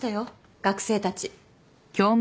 学生たち。